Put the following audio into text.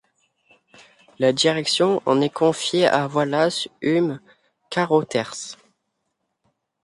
La direction en est confiée à Wallace Hume Carothers.